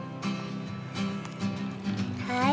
はい。